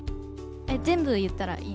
全部言ったらいい？